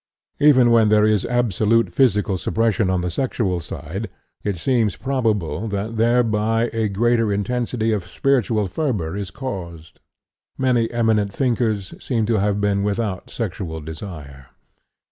Even when there is absolute physical suppression on the sexual side, it seems probable that thereby a greater intensity of spiritual fervor is caused. Many eminent thinkers seem to have been without sexual desire.